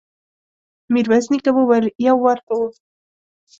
ميرويس نيکه وويل: يو وار کوو.